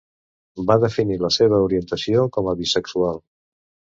Va definir la seva orientació com a bisexual.